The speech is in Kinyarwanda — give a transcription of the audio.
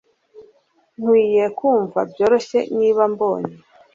Nkwiye kumva byoroshye niba mbonye